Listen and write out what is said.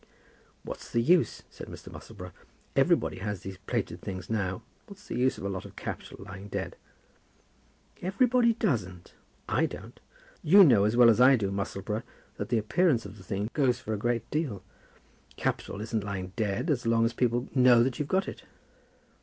"What's the use?" said Mr. Musselboro. "Everybody has these plated things now. What's the use of a lot of capital lying dead?" "Everybody doesn't. I don't. You know as well as I do, Musselboro, that the appearance of the thing goes for a great deal. Capital isn't lying dead as long as people know that you've got it."